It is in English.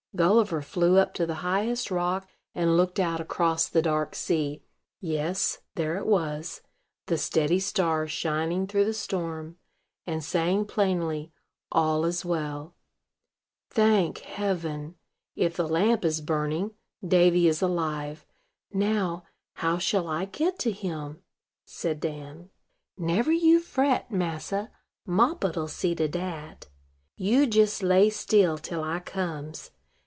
Gulliver flew up to the highest rock, and looked out across the dark sea. Yes, there it was, the steady star shining through the storm, and saying plainly, "All is well." "Thank heaven! if the lamp is burning, Davy is alive. Now, how shall I get to him?" said Dan. "Never you fret, massa: Moppet'll see to dat. You jes lay still till I comes.